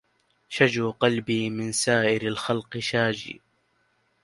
شجو قلبي من سائر الخلق شاجي